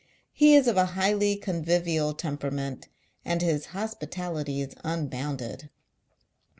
He is of a highly convivial temperament, and his hospitality is un bounded.